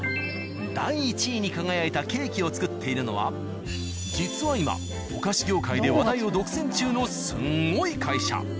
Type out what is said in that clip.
第１位に輝いたケーキを作っているのは実は今お菓子業界で話題を独占中のスンゴイ会社